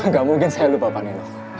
gak mungkin saya lupa pak nenek